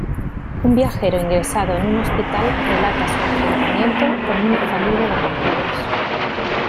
Un viajero ingresado en un hospital relata su enfrentamiento con una familia de vampiros.